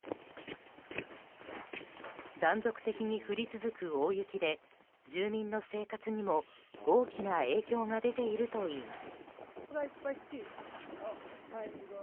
断続的に降り続く大雪で住民の生活にも大きな影響が出ているといいます。